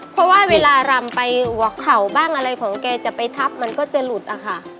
เพราะว่าเวลารำไปหัวเข่าบ้างอะไรของแกจะไปทับมันก็จะหลุดอะค่ะ